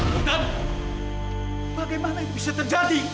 tentang bagaimana itu bisa terjadi